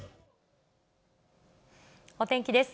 お天気です。